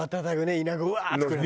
イナゴうわーって来るやつ。